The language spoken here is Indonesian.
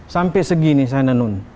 sampai segini saya menelon